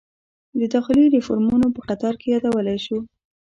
د داخلي ریفورومونو په قطار کې یادولی شو.